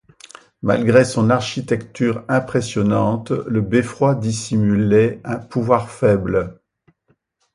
Malgré son architecture impressionnante, le beffroi dissimulait un pouvoir faible.